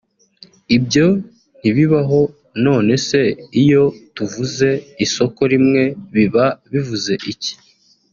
ibyo ntibibaho none se iyo tuvuze isoko rimwe biba bivuze iki